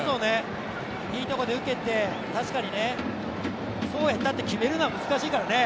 いいところで受けて、確かにすごい、だって決めるのは難しいからね。